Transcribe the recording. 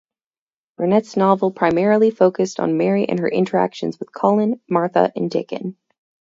Burnett's novel primarily focused on Mary and her interactions with Colin, Martha, and Dickon.